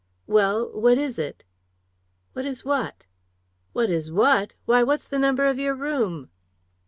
"Well what is it?" "What is what?" "What is what! Why, what's the number of your room?"